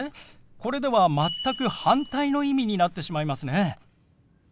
これでは全く反対の意味になってしまいますね。